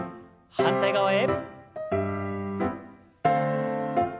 反対側へ。